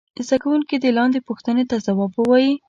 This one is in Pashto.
زده کوونکي دې لاندې پوښتنو ته ځواب ووايي.